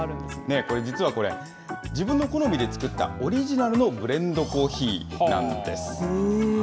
これ、実はこれ、自分の好みで作ったオリジナルのブレンドコーヒーなんです。